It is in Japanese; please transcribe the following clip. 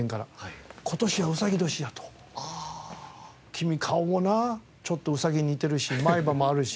「君顔もなちょっとウサギに似てるし前歯もあるし」。